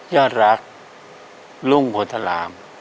ยอดรักรุ่งพนธรรม